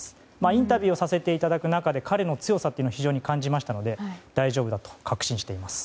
インタビューをさせていただく中で、彼の強さを非常に感じましたので大丈夫だと確信しています。